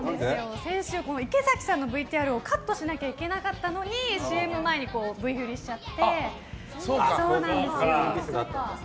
先週、池崎さんのＶＴＲをカットしなきゃいけなかったのにＣＭの前にＶ振りしちゃって。